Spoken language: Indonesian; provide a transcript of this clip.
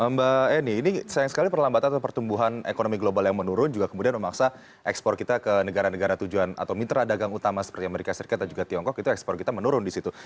mbak eni ini sayang sekali perlambatan atau pertumbuhan ekonomi global yang menurun juga kemudian memaksa ekspor kita ke negara negara tujuan atau mitra dagang utama seperti amerika serikat dan juga tiongkok itu ekspor kita menurun di situ